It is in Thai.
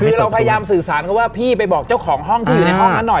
คือเราพยายามสื่อสารเขาว่าพี่ไปบอกเจ้าของห้องที่อยู่ในห้องนั้นหน่อย